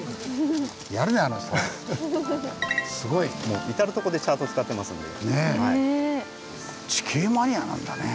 すごい。至るとこでチャート使ってますんで。